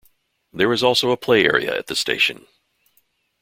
There is also a play area at the station.